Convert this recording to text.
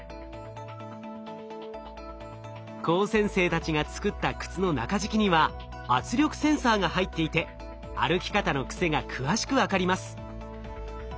高専生たちが作った靴の中敷きには圧力センサーが入っていて歩き方の癖が詳しく分かります。